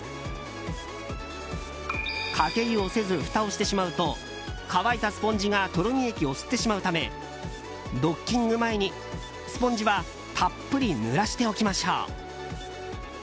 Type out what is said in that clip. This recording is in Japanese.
かけ湯をせずふたをしてしまうと乾いたスポンジがとろみ液を吸ってしまうためドッキング前にスポンジはたっぷりぬらしておきましょう。